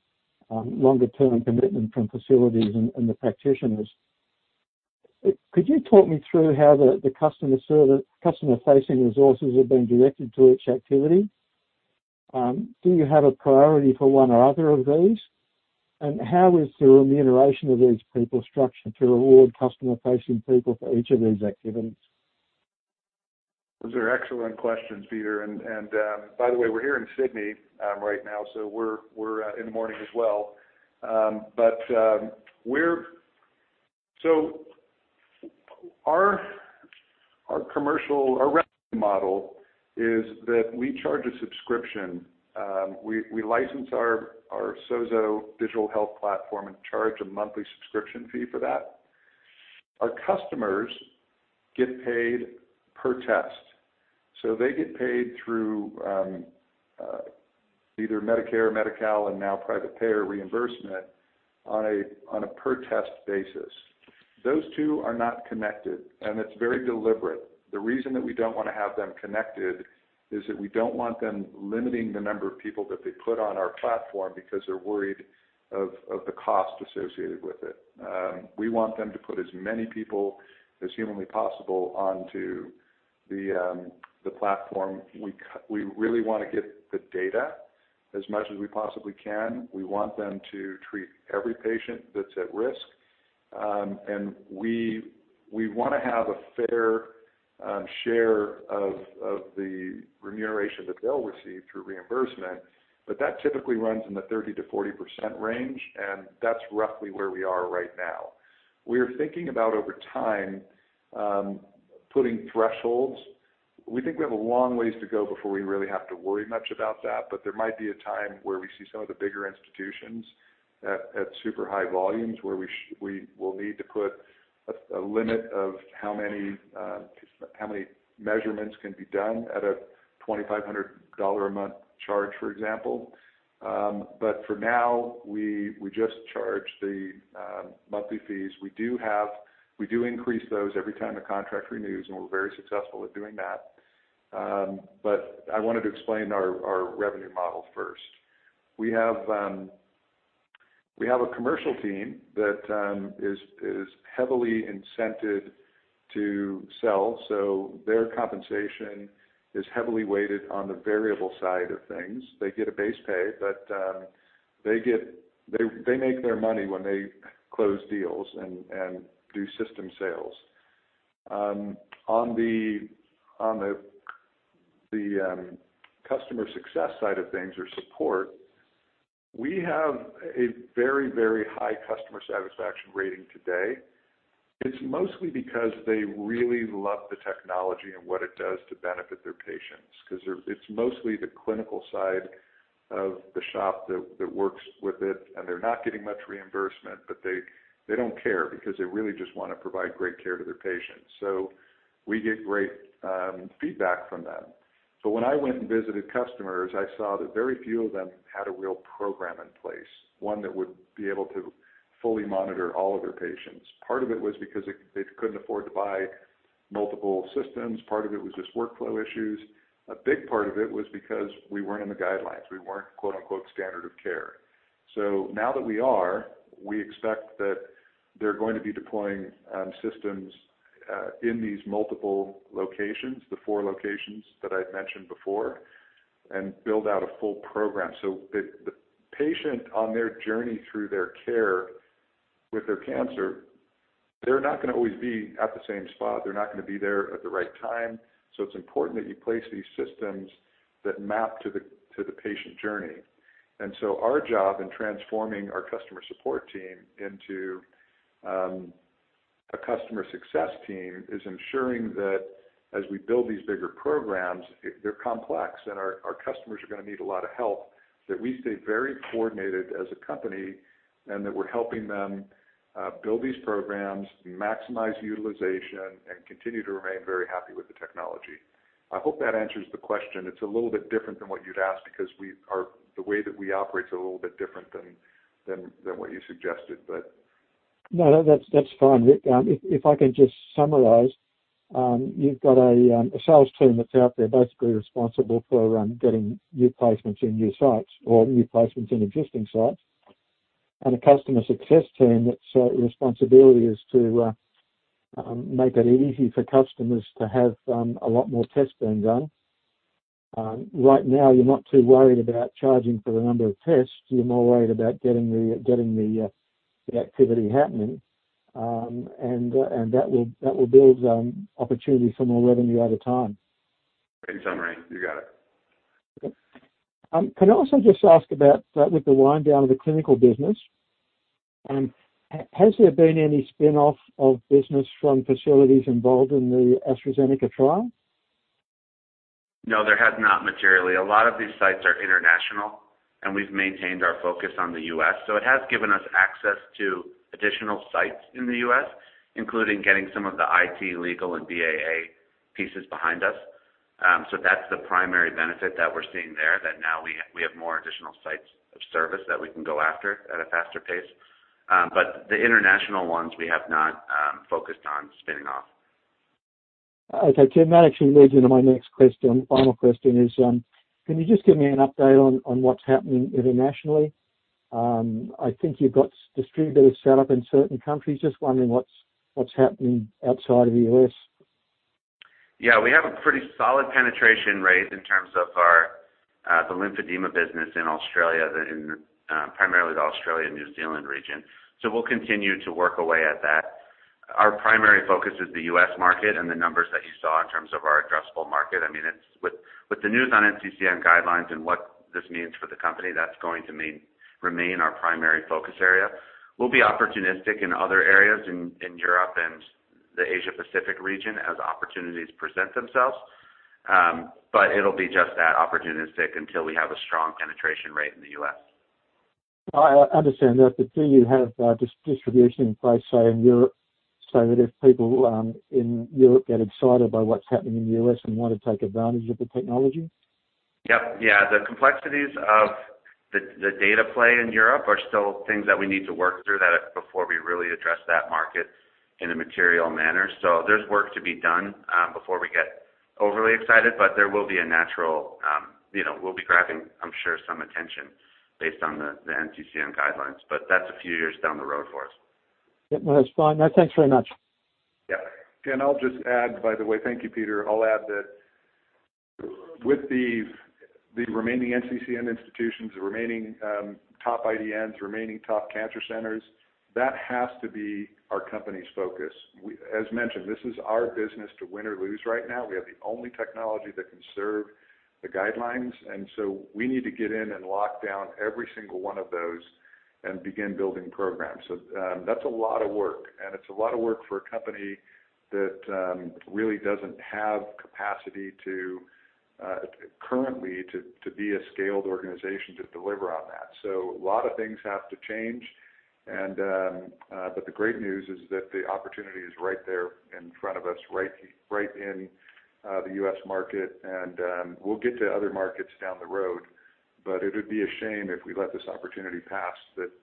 longer-term commitment from facilities and the practitioners. Could you talk me through how the customer-facing resources have been directed to each activity? Do you have a priority for one or other of these? How is the remuneration of these people structured to reward customer-facing people for each of these activities? Those are excellent questions, Peter. By the way, we're here in Sydney right now, so we're in the morning as well. Our revenue model is that we charge a subscription. We license our SOZO digital health platform and charge a monthly subscription fee for that. Our customers get paid per test, so they get paid through either Medicare, Medi-Cal, and now private payer reimbursement on a per test basis. Those two are not connected, and it's very deliberate. The reason that we don't wanna have them connected is that we don't want them limiting the number of people that they put on our platform because they're worried of the cost associated with it. We want them to put as many people as humanly possible onto the platform. We really wanna get the data as much as we possibly can. We want them to treat every patient that's at risk. We, we wanna have a fair share of the remuneration that they'll receive through reimbursement, but that typically runs in the 30%-40% range, and that's roughly where we are right now. We are thinking about over time, putting thresholds. We think we have a long ways to go before we really have to worry much about that. There might be a time where we see some of the bigger institutions at super high volumes where we will need to put a limit of how many measurements can be done at a $2,500 a month charge, for example. For now, we just charge the monthly fees. We do increase those every time the contract renews, and we're very successful with doing that. I wanted to explain our revenue model first. We have a commercial team that is heavily incented to sell, so their compensation is heavily weighted on the variable side of things. They get a base pay, but they make their money when they close deals and do system sales. On the customer success side of things or support, we have a very, very high customer satisfaction rating today. It's mostly because they really love the technology and what it does to benefit their patients because it's mostly the clinical side of the shop that works with it, and they're not getting much reimbursement, but they don't care because they really just wanna provide great care to their patients. We get great feedback from them. When I went and visited customers, I saw that very few of them had a real program in place, one that would be able to fully monitor all of their patients. Part of it was because it, they couldn't afford to buy multiple systems. Part of it was just workflow issues. A big part of it was because we weren't in the guidelines. We weren't, quote-unquote, standard of care. Now that we are, we expect that they're going to be deploying systems in these multiple locations, the four locations that I'd mentioned before, and build out a full program. The patient on their journey through their care with their cancer, they're not gonna always be at the same spot. They're not gonna be there at the right time. It's important that you place these systems that map to the patient journey. Our job in transforming our customer support team into a customer success team is ensuring that as we build these bigger programs, if they're complex and our customers are gonna need a lot of help, that we stay very coordinated as a company and that we're helping them build these programs, maximize utilization, and continue to remain very happy with the technology. I hope that answers the question. It's a little bit different than what you'd asked because the way that we operate is a little bit different than what you suggested. No, no, that's fine. If I can just summarize, you've got a sales team that's out there basically responsible for getting new placements in new sites or new placements in existing sites, and a customer success team that's responsibility is to make it easy for customers to have a lot more tests being done. Right now you're not too worried about charging for the number of tests. You're more worried about getting the activity happening. That will build opportunity for more revenue over time. In summary, you got it. Okay. Can I also just ask about, with the wind down of the clinical business, has there been any spin-off of business from facilities involved in the AstraZeneca trial? No, there has not materially. A lot of these sites are international, and we've maintained our focus on the U.S. It has given us access to additional sites in the U.S., including getting some of the IT, legal, and BAA pieces behind us. That's the primary benefit that we're seeing there, that now we have more additional sites of service that we can go after at a faster pace. The international ones we have not focused on spinning off. Okay, Tim, that actually leads into my next question. Final question is, can you just give me an update on what's happening internationally? I think you've got distributors set up in certain countries. Just wondering what's happening outside of the US. Yeah. We have a pretty solid penetration rate in terms of our lymphedema business in Australia, primarily the Australia-New Zealand region. We'll continue to work away at that. Our primary focus is the U.S. market and the numbers that you saw in terms of our addressable market. I mean, it's With the news on NCCN guidelines and what this means for the company, that's going to remain our primary focus area. We'll be opportunistic in other areas in Europe and the Asia Pacific region as opportunities present themselves. It'll be just that, opportunistic until we have a strong penetration rate in the U.S. I understand that, but do you have distribution in place, say in Europe, so that if people in Europe get excited by what's happening in the U.S. and want to take advantage of the technology? Yep. Yeah. The complexities of the data play in Europe are still things that we need to work through that before we really address that market in a material manner. There's work to be done, before we get overly excited, but there will be a natural, you know, we'll be grabbing, I'm sure, some attention based on the NCCN guidelines, but that's a few years down the road for us. Yep. No, that's fine. No, thanks very much. Yeah. I'll just add, by the way. Thank you, Peter. I'll add that with the remaining NCCN institutions, the remaining, top IDNs, remaining top cancer centers, that has to be our company's focus. As mentioned, this is our business to win or lose right now. We have the only technology that can serve the guidelines. We need to get in and lock down every single one of those and begin building programs. That's a lot of work, and it's a lot of work for a company that really doesn't have capacity to currently be a scaled organization to deliver on that. A lot of things have to change and, but the great news is that the opportunity is right there in front of us, right in the U.S. market and, we'll get to other markets down the road, but it would be a shame if we let this opportunity pass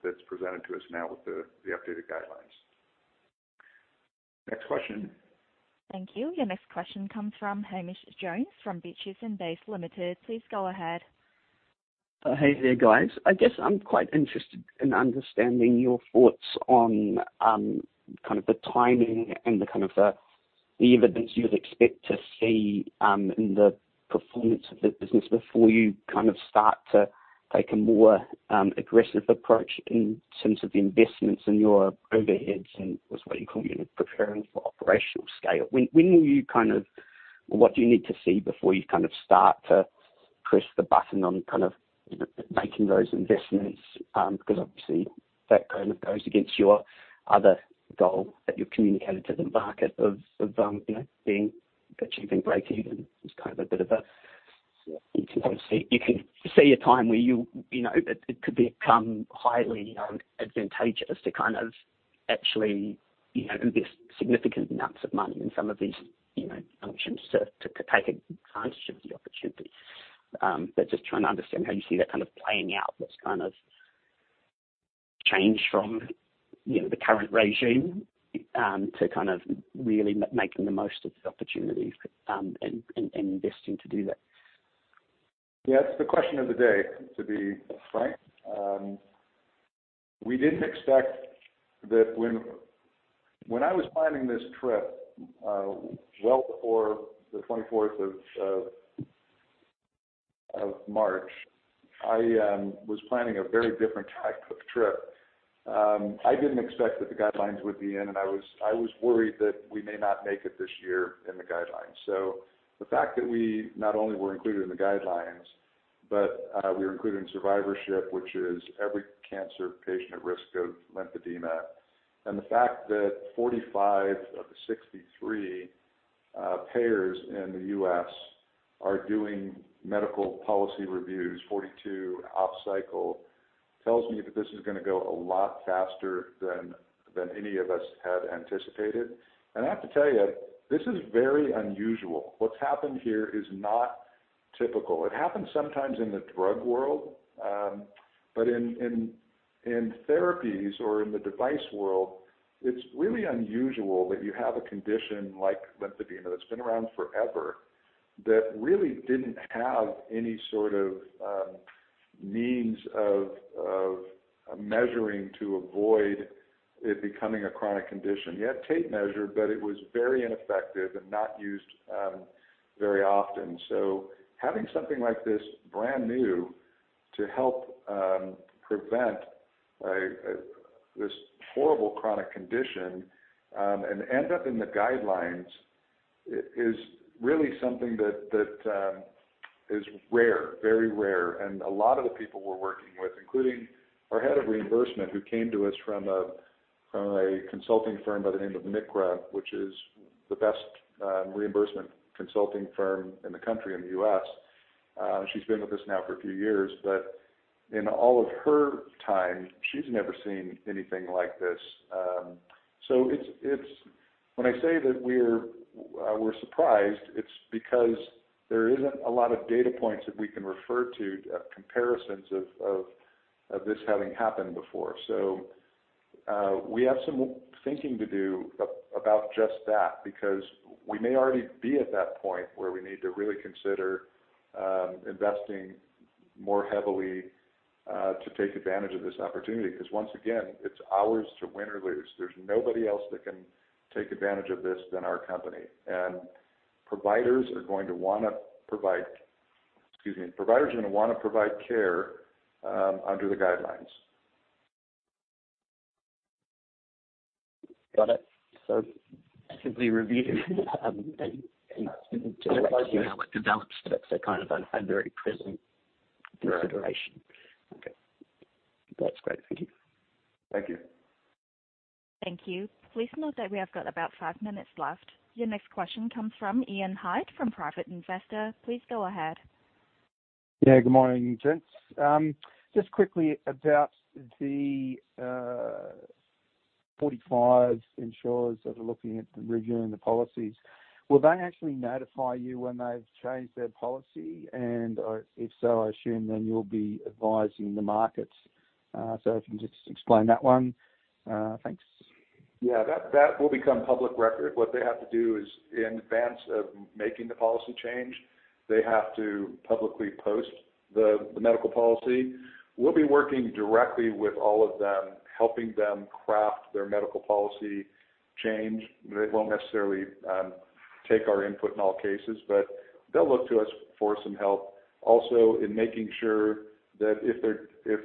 that's presented to us now with the updated guidelines. Next question. Thank you. Your next question comes from Hamish Jones from Bell Potter Securities Limited. Please go ahead. Hey there, guys. I guess I'm quite interested in understanding your thoughts on kind of the timing and the kind of the evidence you'd expect to see in the performance of the business before you kind of start to take a more aggressive approach in terms of the investments and your overheads and what you call preparing for operational scale. When are you kind of, what do you need to see before you kind of start to press the button on kind of, you know, making those investments? Obviously that kind of goes against your other goal that you've communicated to the market of, you know, achieving breakeven. It's kind of a bit of a... You can kind of see, you can see a time where you know, it could become highly advantageous to kind of actually, you know, invest significant amounts of money in some of these, you know, functions to take advantage of the opportunity. Just trying to understand how you see that kind of playing out, what's kind of changed from, you know, the current regime, to kind of really making the most of the opportunities, and investing to do that. Yeah. It's the question of the day, to be frank. We didn't expect that when I was planning this trip, well before the 24th of March, I was planning a very different type of trip. I didn't expect that the guidelines would be in, and I was worried that we may not make it this year in the guidelines. The fact that we not only were included in the guidelines, but we were included in survivorship, which is every cancer patient at risk of lymphedema, and the fact that 45 of the 63 payers in the U.S. are doing medical policy reviews, 42 off cycle, tells me that this is gonna go a lot faster than any of us had anticipated. I have to tell you, this is very unusual. What's happened here is not typical. It happens sometimes in the drug world, but in, in therapies or in the device world, it's really unusual that you have a condition like lymphedema that's been around forever, that really didn't have any sort of means of measuring to avoid it becoming a chronic condition. You had tape measure, but it was very ineffective and not used very often. Having something like this brand new to help prevent this horrible chronic condition and end up in the guidelines is really something that. Is rare, very rare. A lot of the people we're working with, including our head of reimbursement, who came to us from from a consulting firm by the name of MCRA, which is the best reimbursement consulting firm in the country, in the U.S. She's been with us now for a few years, but in all of her time, she's never seen anything like this. It's when I say that we're surprised, it's because there isn't a lot of data points that we can refer to, comparisons of this having happened before. We have some thinking to do about just that because we may already be at that point where we need to really consider investing more heavily to take advantage of this opportunity. 'Cause once again, it's ours to win or lose. There's nobody else that can take advantage of this than our company. Excuse me. Providers are gonna wanna provide care under the guidelines. Got it. Simply review and just let you know how it develops, but it's a kind of under a present consideration. Right. Okay. That's great. Thank you. Thank you. Thank you. Please note that we have got about five minutes left. Your next question comes from Ian Hyde, from Private Investor. Please go ahead. Yeah, good morning, gents. just quickly about the 45 insurers that are looking at reviewing the policies. Will they actually notify you when they've changed their policy? If so, I assume then you'll be advising the markets. If you can just explain that one. thanks. Yeah, that will become public record. What they have to do is in advance of making the policy change, they have to publicly post the medical policy. We'll be working directly with all of them, helping them craft their medical policy change. They won't necessarily take our input in all cases, but they'll look to us for some help. Also in making sure that if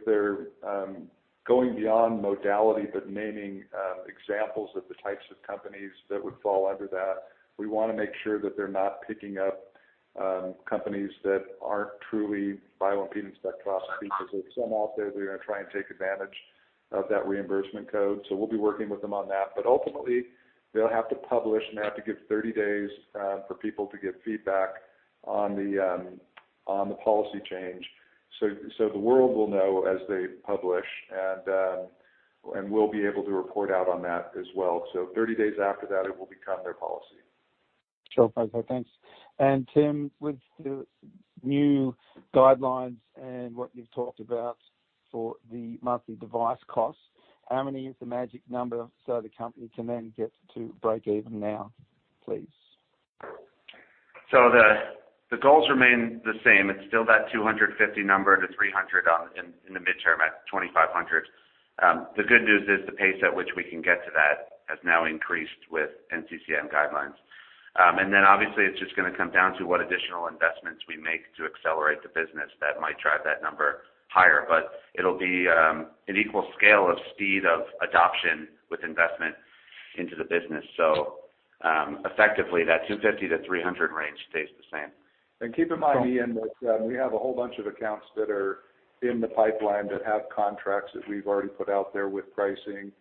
they're going beyond modality, but naming examples of the types of companies that would fall under that, we wanna make sure that they're not picking up companies that aren't truly bioimpedance spectroscopy. 'Cause there's some out there who are gonna try and take advantage of that reimbursement code. We'll be working with them on that. Ultimately, they'll have to publish, and they have to give 30 days for people to give feedback on the on the policy change. The world will know as they publish, and we'll be able to report out on that as well. 30 days after that, it will become their policy. Sure. Okay, thanks. Tim, with the new guidelines and what you've talked about for the monthly device costs, how many is the magic number so the company can then get to break even now, please? The goals remain the same. It's still that 250 number to 300 in the midterm at 2,500. The good news is the pace at which we can get to that has now increased with NCCN guidelines. Obviously it's just gonna come down to what additional investments we make to accelerate the business that might drive that number higher. It'll be an equal scale of speed of adoption with investment into the business. Effectively, that 250-300 range stays the same. Cool. Keep in mind, Ian, that we have a whole bunch of accounts that are in the pipeline that have contracts that we've already put out there with pricing.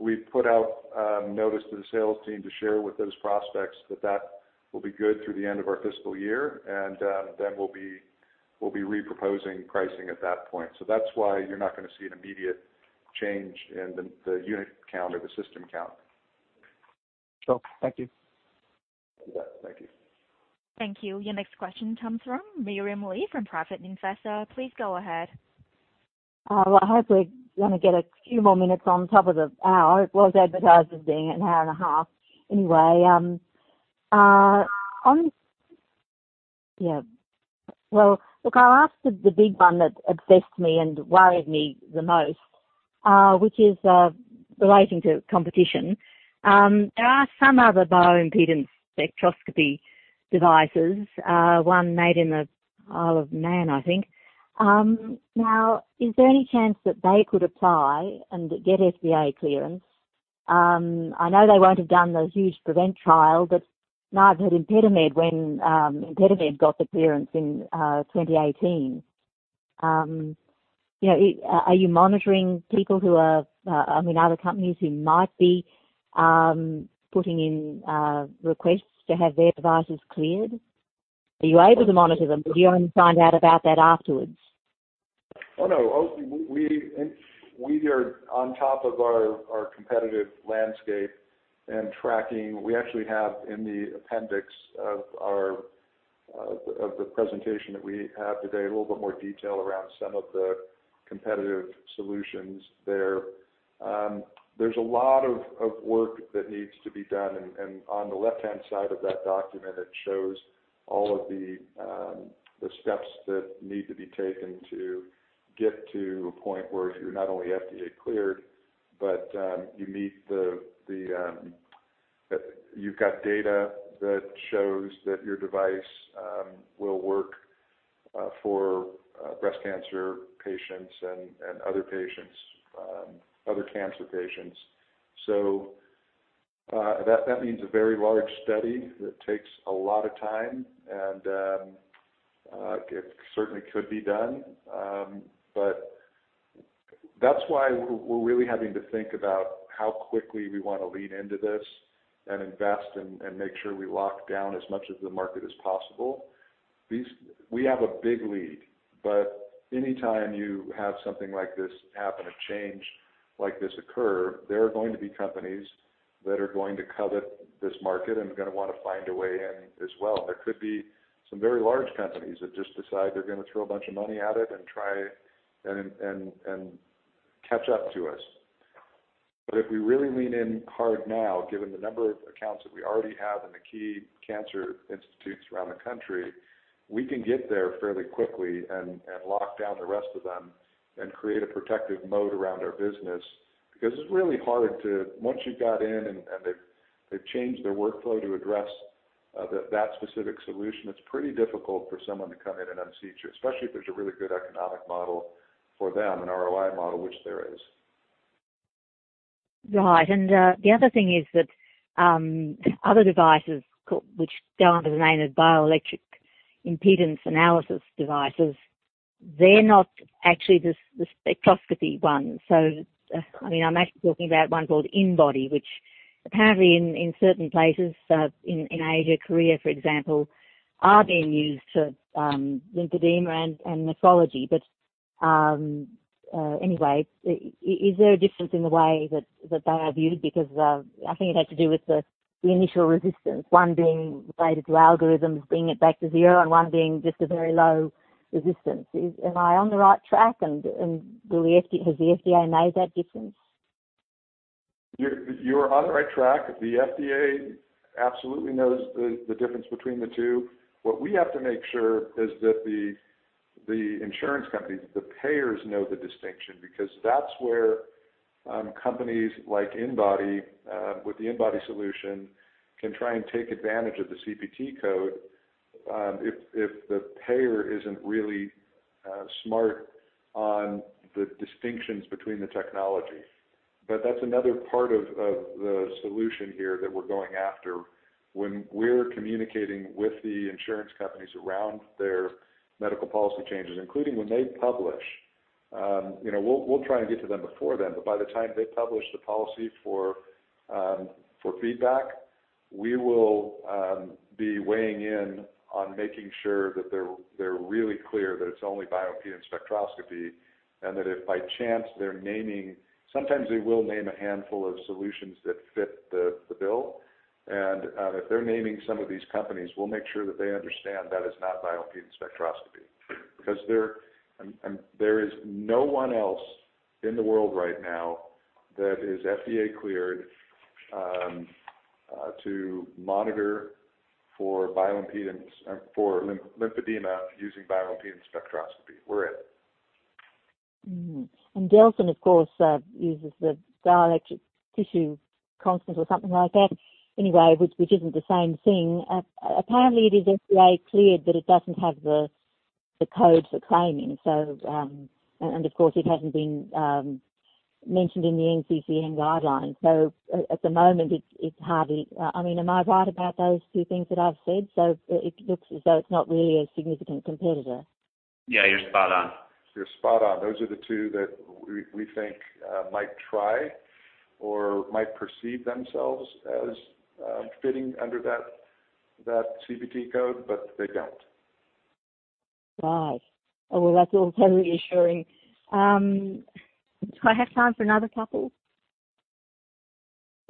We've put out notice to the sales team to share with those prospects that that will be good through the end of our fiscal year, then we'll be reproposing pricing at that point. That's why you're not gonna see an immediate change in the unit count or the system count. Cool. Thank you. You bet. Thank you. Thank you. Your next question comes from Miriam Lee, from Private Investor. Please go ahead. Well, hopefully, I wanna get a few more minutes on top of the hour. It was advertised as being an hour and a half. Anyway. Yeah. Look, I'll ask the big one that obsessed me and worried me the most, which is relating to competition. There are some other bioimpedance spectroscopy devices, one made in the Isle of Man, I think. Now, is there any chance that they could apply and get FDA clearance? I know they won't have done the huge PREVENT trial, but neither had ImpediMed when ImpediMed got the clearance in 2018. You know, are you monitoring people who are, I mean, other companies who might be putting in requests to have their devices cleared? Are you able to monitor them, or do you only find out about that afterwards? No. We are on top of our competitive landscape and tracking. We actually have in the appendix of our of the presentation that we have today, a little bit more detail around some of the competitive solutions there. There's a lot of work that needs to be done, and on the left-hand side of that document, it shows all of the steps that need to be taken to get to a point where you're not only FDA cleared, but you meet the you've got data that shows that your device will work for breast cancer patients and other patients, other cancer patients. That means a very large study that takes a lot of time, and it certainly could be done. That's why we're really having to think about how quickly we wanna lead into this and invest and make sure we lock down as much of the market as possible. We have a big lead, but any time you have something like this happen, a change like this occur, there are going to be companies that are going to covet this market and gonna wanna find a way in as well. There could be some very large companies that just decide they're gonna throw a bunch of money at it and try and catch up to us. If we really lean in hard now, given the number of accounts that we already have in the key cancer institutes around the country, we can get there fairly quickly and lock down the rest of them and create a protective moat around our business. Once you've got in and they've changed their workflow to address that specific solution, it's pretty difficult for someone to come in and unseat you, especially if there's a really good economic model for them, an ROI model, which there is. Right. The other thing is that other devices which go under the name of bioelectrical impedance analysis devices, they're not actually the spectroscopy one. I mean, I'm actually talking about one called InBody, which apparently in certain places in Asia, Korea, for example, are being used for lymphedema and nephrology. Anyway, is there a difference in the way that they are used? I think it had to do with the initial resistance, one being related to algorithms, bringing it back to zero, and one being just a very low resistance. Am I on the right track and has the FDA made that difference? You're on the right track. The FDA absolutely knows the difference between the two. What we have to make sure is that the insurance companies, the payers know the distinction, because that's where companies like InBody, with the InBody solution can try and take advantage of the CPT code, if the payer isn't really smart on the distinctions between the technology. That's another part of the solution here that we're going after when we're communicating with the insurance companies around their medical policy changes, including when they publish. You know, we'll try and get to them before then, but by the time they publish the policy for feedback, we will be weighing in on making sure that they're really clear that it's only bioimpedance spectroscopy and that if by chance they're naming... Sometimes they will name a handful of solutions that fit the bill. If they're naming some of these companies, we'll make sure that they understand that is not bioimpedance spectroscopy. Because there is no one else in the world right now that is FDA cleared to monitor for bioimpedance or for lymphedema using bioimpedance spectroscopy. We're it. Delfin, of course, uses the tissue dielectric constant or something like that. Anyway, which isn't the same thing. Apparently it is FDA cleared, but it doesn't have the code for claiming. Of course it hasn't been mentioned in the NCCN guidelines. At the moment it's hardly. I mean, am I right about those two things that I've said? It looks as though it's not really a significant competitor. Yeah, you're spot on. You're spot on. Those are the two that we think might try or might perceive themselves as fitting under that CPT code, but they don't. Right. Well, that's all very reassuring. Do I have time for another couple?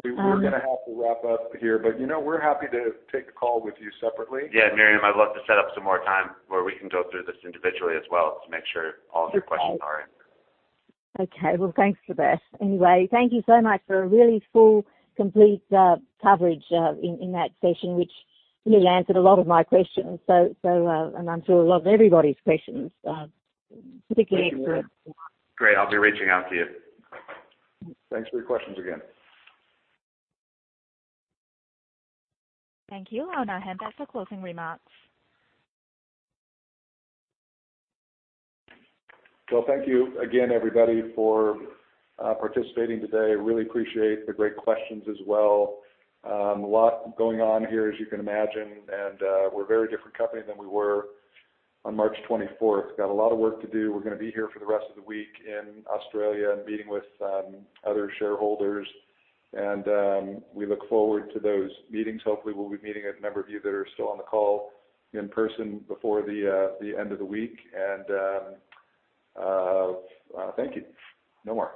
We're gonna have to wrap up here, but, you know, we're happy to take a call with you separately. Yeah, Miriam, I'd love to set up some more time where we can go through this individually as well to make sure all of your questions are answered. Okay. Well, thanks for that. Thank you so much for a really full, complete, coverage, in that session, which really answered a lot of my questions. So... I'm sure a lot of everybody's questions. Great. I'll be reaching out to you. Thanks for your questions again. Thank you. I'll now hand back for closing remarks. Well, thank you again, everybody, for participating today. Really appreciate the great questions as well. A lot going on here, as you can imagine, and we're a very different company than we were on March 24th. Got a lot of work to do. We're gonna be here for the rest of the week in Australia and meeting with other shareholders and we look forward to those meetings. Hopefully, we'll be meeting a number of you that are still on the call in person before the end of the week and thank you. No more.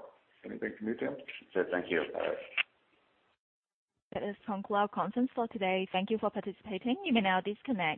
Anything from you, Tim? That's it. Thank you. Bye. That is from our conference for today. Thank you for participating. You may now disconnect.